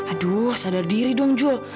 aduh sadar diri dong jul